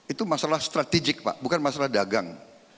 itu masalah strategik pak bukan masalah dagang